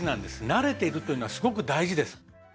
慣れているというのはすごく大事です。